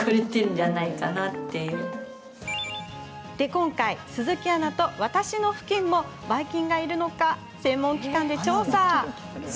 今回、私と鈴木アナのふきんもばい菌がいるか専門機関で調査。